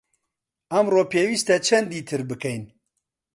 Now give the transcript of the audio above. ئەمڕۆ پێویستە چەندی تر بکەین؟